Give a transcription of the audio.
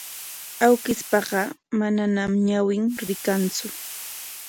Awkishpaqa manañam ñawin rikantsu.